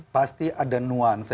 pasti ada nuansa